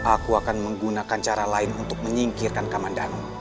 aku akan menggunakan cara lain untuk menyingkirkan keamanan